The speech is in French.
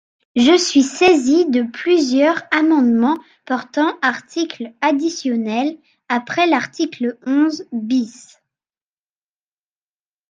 Je suis saisi de plusieurs amendements portant article additionnel après l’article onze bis.